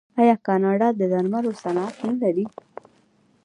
آیا کاناډا د درملو صنعت نلري؟